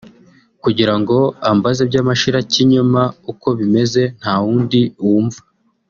kugirango ambaze by’amashirakinyoma uko bimeze nta wundi wumva